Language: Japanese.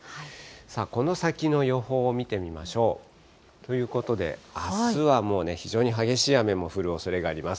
さあ、この先の予報を見てみましょう。ということで、あすはもうね、非常に激しい雨も降るおそれがあります。